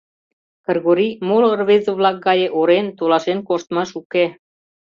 Кыргорий моло рвезе-влак гае орен, толашен коштмаш уке.